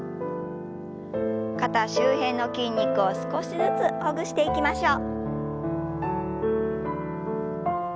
肩周辺の筋肉を少しずつほぐしていきましょう。